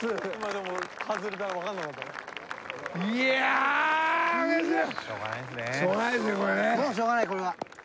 もうしょうがないこれは。